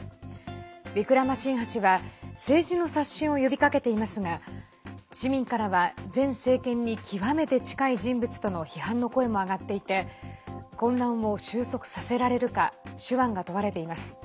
ウィクラマシンハ氏は政治の刷新を呼びかけていますが市民からは前政権に極めて近い人物との批判の声も上がっていて混乱を収束させられるか手腕が問われています。